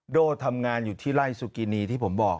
โด่ทำงานอยู่ที่ไล่สุกินีที่ผมบอก